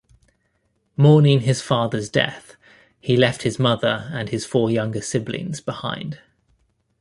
Mourning his father's death, he left his mother and his four younger siblings behind.